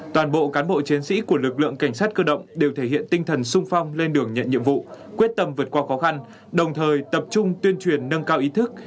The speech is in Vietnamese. toàn bộ cán bộ chiến sĩ của lực lượng cảnh sát cơ động đều thể hiện tinh thần sung phong lên đường nhận nhiệm vụ quyết tâm vượt qua khó khăn đồng thời tập trung tuyên truyền nâng cao ý thức